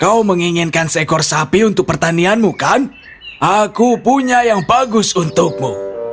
kau menginginkan seekor sapi untuk pertanianmu kan aku punya yang bagus untukmu